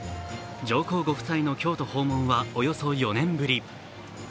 上皇ご夫妻の京都訪問はおよそ４年ぶり。